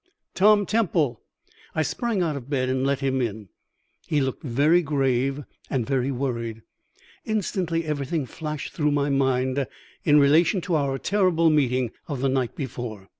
"Tom Temple." I sprang out of bed and let him in. He looked very grave, very worried. Instantly everything flashed through my mind in relation to our terrible meeting of the night before.